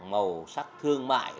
màu sắc thương mại